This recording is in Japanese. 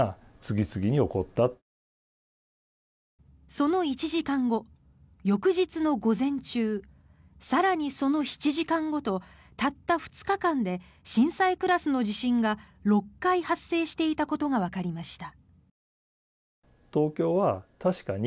その１時間後、翌日の午前中更にその７時間後とたった２日間で震災クラスの地震が６回発生していたことがわかりました。